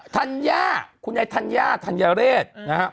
ธัญญาเธรียร์เสธ